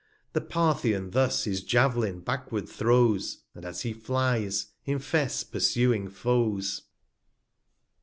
The Tartbian thus his Jav'lin backward throws, And as he flies, infests pursuing Foes.